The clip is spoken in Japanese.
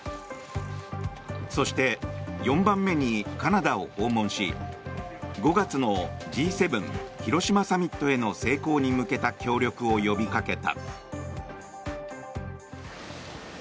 そして、４番目にカナダを訪問し５月のＧ７広島サミットへの成功に向けた協力を呼びかけた。